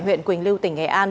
huyện quỳnh lưu tỉnh hề an